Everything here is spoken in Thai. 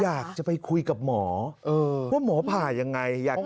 อยากจะไปคุยกับหมอว่าหมอผ่ายังไงอยาก